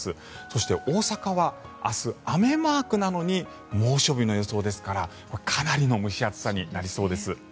そして、大阪は明日雨マークなのに猛暑日の予想ですからかなりの蒸し暑さになりそうです。